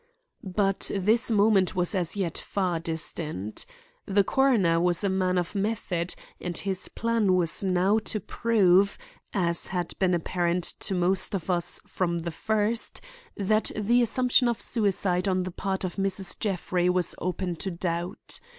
But this moment was as yet far distant. The coroner was a man of method, and his plan was now to prove, as had been apparent to most of us from the first, that the assumption of suicide on the part of Mrs. Jeffrey was open to doubt.